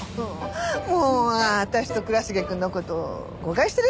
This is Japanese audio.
もう私と倉重くんの事誤解してる？